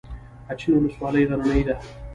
اچین ولسوالۍ غرنۍ ده؟